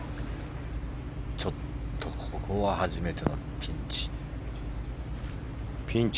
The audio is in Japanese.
ちょっとここは初めてのピンチ。